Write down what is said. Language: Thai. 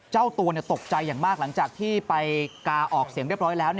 เจ้าตัวตกใจอย่างมากหลังจากที่ไปกาออกเสียงเรียบร้อยแล้ว